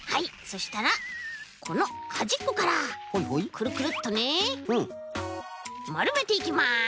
そしたらこのはじっこからクルクルっとねまるめていきます。